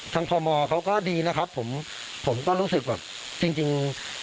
ทั้งพมเขาก็ดีนะครับผมผมก็รู้สึกว่าจริงจริง